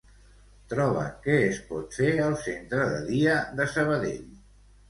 Troba què es pot fer al centre de dia de Sabadell.